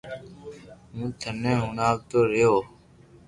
ھون ٿني ھڻاوتو رھيو